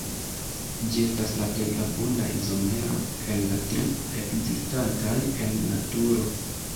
Ĝi estas la plej abunda izomero el la tri ekzistantaj en naturo.